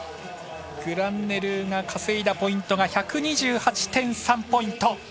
グランネルーが稼いだポイントが１２８．３ポイント。